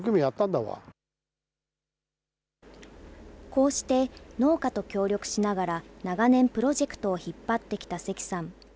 こうして農家と協力しながら、長年プロジェクトを引っ張ってきた関さん。